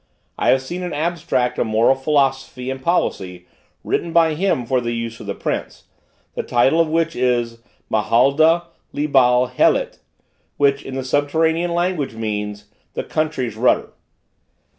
I have seen an abstract of moral philosophy and policy, written by him for the use of the prince, the title of which is Mahalda Libal Helit, which in the subterranean language means, The Country's Rudder.